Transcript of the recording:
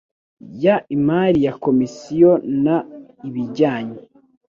y imari ya Komisiyo n ibijyanye